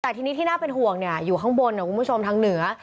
แต่ที่นี่ที่น่าเป็นห่วงเนี่ยอยู่ข้างบนนะครับคุณผู้ชมทางเหนือ